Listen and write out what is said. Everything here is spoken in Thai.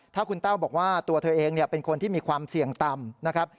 ถ้าคุณแต้วบอกว่าตัวเธอเองเป็นคนที่มีความเสี่ยงต่ำนะครับ